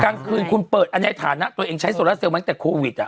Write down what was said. กลางคืนคุณเปิดอันในฐานะตัวเองใช้โซลาเซลลมาตั้งแต่โควิด